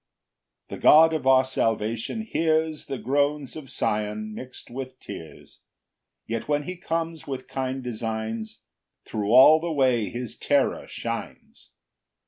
1 The God of our salvation hears The groans of Sion mix'd with tears; Yet when he comes with kind designs, Thro' all the way his terror shines.